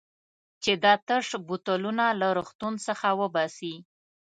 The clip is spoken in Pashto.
چې دا تش بوتلونه له روغتون څخه وباسي.